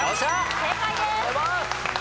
正解です。